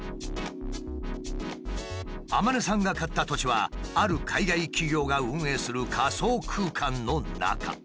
アマネさんが買った土地はある海外企業が運営する仮想空間の中。